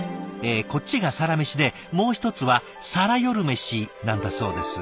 こっちがサラメシでもう一つはサラ夜メシなんだそうです。